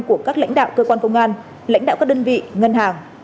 của các lãnh đạo cơ quan công an lãnh đạo các đơn vị ngân hàng